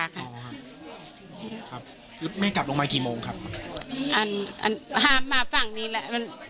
ปกติพี่สาวเราเนี่ยครับเป็นคนเชี่ยวชาญในเส้นทางป่าทางนี้อยู่แล้วหรือเปล่าครับ